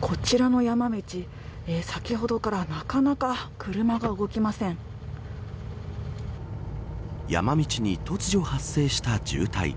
こちらの山道先ほどからなかなか車が動きませ山道に突如発生した渋滞。